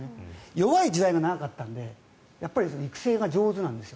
弱い時代が長かったので育成が上手なんです。